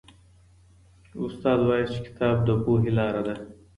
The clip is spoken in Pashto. استاد وایي چي کتاب د پوهي لاره ده.